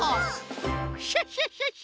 クシャシャシャ！